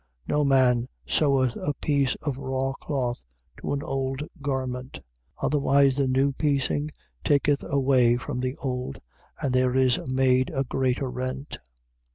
2:21. No man seweth a piece of raw cloth to an old garment: otherwise the new piecing taketh away from the old, and there is made a greater rent.